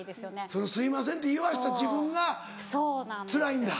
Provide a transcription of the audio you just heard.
その「すいません」って言わした自分がつらいんだ。